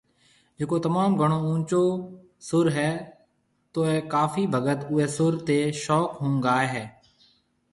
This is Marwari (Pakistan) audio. جڪو تموم گھڻو اونچو سُر ھيَََ توئي ڪافي ڀگت اوئي سُر تي شوق ھونگاوي ھيَََ